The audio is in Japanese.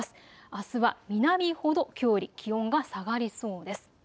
あすは南ほどきょうより気温が下がりそうです。